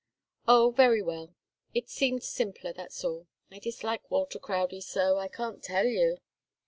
"Oh, very well. It seemed simpler, that's all. I dislike Walter Crowdie so I can't tell you!